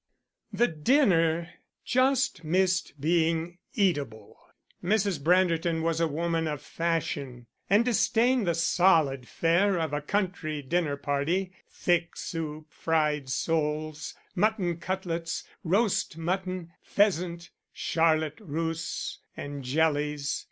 The dinner just missed being eatable. Mrs. Branderton was a woman of fashion and disdained the solid fare of a country dinner party thick soup, fried soles, mutton cutlets, roast mutton, pheasant, Charlotte russe, and jellies.